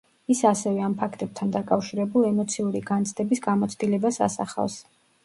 ის ასევე ამ ფაქტებთან დაკავშირებულ ემოციური განცდების გამოცდილებას ასახავს.